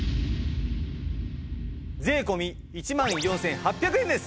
税込１万４８００円です。